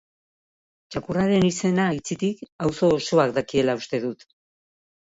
Txakurraren izena, aitzitik, auzo osoak dakiela uste dut.